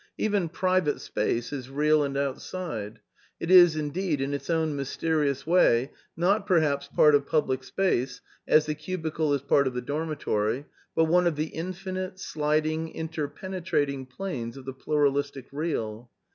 Even private space is real and outside. It is, indeed, in its own mysterious way, not perhaps part of public space, as the cubicle is part of the dormitory, but one of the infinite, sliding, interpenetrating planes of the pluralistic Seal.